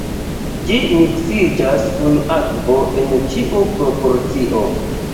Ĝi miksiĝas kun akvo en ĉiu proporcio.